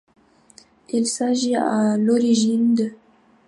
Il s'agit à l'origine d'.